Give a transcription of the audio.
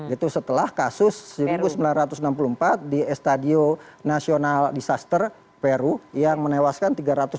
itu setelah kasus seribu sembilan ratus enam puluh empat di estadio national disaster peru yang menewaskan tiga ratus empat puluh